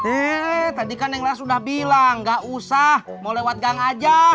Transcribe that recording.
eh tadi kan neng laras udah bilang gak usah mau lewat gang aja